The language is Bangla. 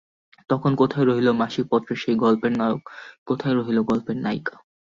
তখন কোথায় রহিল মাসিক পত্রের সেই গল্পের নায়ক, কোথায় রহিল গল্পের নায়িকা।